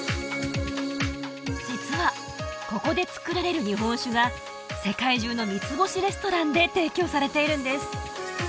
実はここで造られる日本酒が世界中の三つ星レストランで提供されているんです